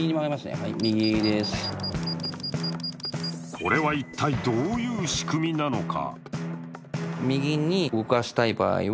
これは一体、どういう仕組みなのか。